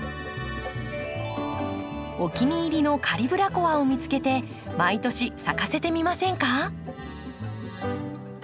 お気に入りのカリブラコアを見つけて毎年咲かせてみませんか？